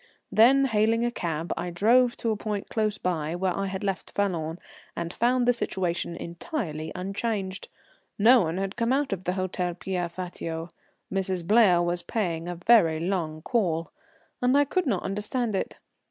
Then hailing a cab, I drove to a point close by where I had left Falloon, and found the situation entirely unchanged. No one had come out of the Hôtel Pierre Fatio. Mrs. Blair was paying a very long call, and I could not understand it.